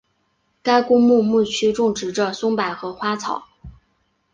该公墓墓区种植着松柏和花草。